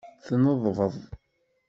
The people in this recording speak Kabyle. Tneḍbeḍ.